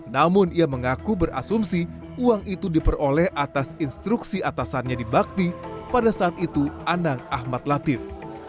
namun ia mengaku berasumsi uang itu diperoleh atas instruksi atasannya di bakti pada saat itu anang ahmad latif